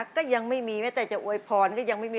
ก็ยังไม่มีแม้แต่จะอวยพรก็ยังไม่มี